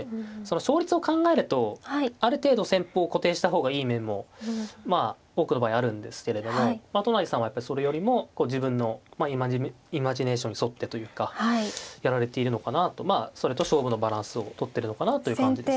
勝率を考えるとある程度戦法を固定した方がいい面もまあ多くの場合あるんですけれども都成さんはやっぱりそれよりも自分のイマジネーションに沿ってというかやられているのかなとまあそれと勝負のバランスを取ってるのかなという感じですね。